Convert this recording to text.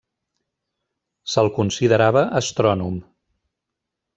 Se'l considerava astrònom.